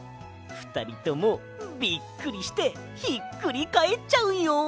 ふたりともびっくりしてひっくりかえっちゃうよ。